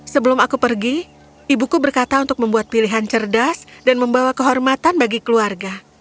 sebelum aku pergi ibuku berkata untuk membuat pilihan cerdas dan membawa kehormatan bagi keluarga